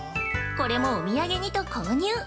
これもお土産にと購入。